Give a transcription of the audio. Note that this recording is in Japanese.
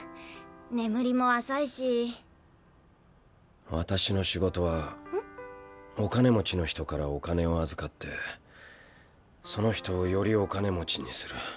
眠りも浅いし私の仕事はん？お金持ちの人からお金を預かってその人をよりお金持ちにする。